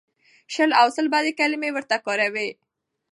شل او سل بدې کلمې ورته کاروي.